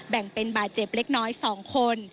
แบ่งเป็นบาดเจ็บเล็กน้อย๒คน